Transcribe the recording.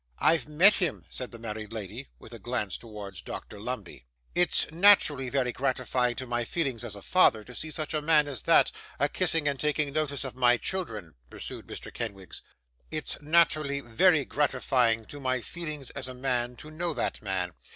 'I've met him,' said the married lady, with a glance towards Dr Lumbey. 'It's naterally very gratifying to my feelings as a father, to see such a man as that, a kissing and taking notice of my children,' pursued Mr Kenwigs. 'It's naterally very gratifying to my feelings as a man, to know that man.